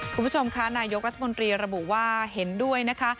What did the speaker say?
คุณผู้ชมค่ะนายกรัฐมนตรีระบุว่าเห็นด้วยนะคะ